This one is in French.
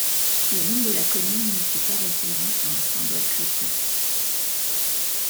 Le nom de la commune ne fait pas référence à un symbole chrétien.